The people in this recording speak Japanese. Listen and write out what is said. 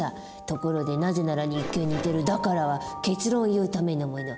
ところで「なぜなら」に一見似てる「だから」は結論を言うためのもの。